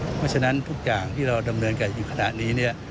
เพราะฉะนั้นทุกอย่างที่เราดำเนินการอยู่ขณะนี้เนี่ย